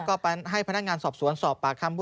เจรยาก็ให้พนักงานสอบสวนสอบปากคำ